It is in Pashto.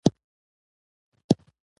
د احمد او مینې دوستي گرمه وه